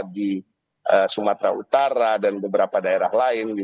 di sumatera utara dan beberapa daerah lain